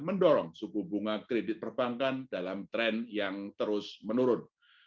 mendorong suku bunga kredit perbankan dalam tren yang terus menurun